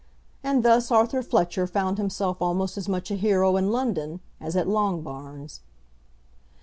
And thus Arthur Fletcher found himself almost as much a hero in London as at Longbarns.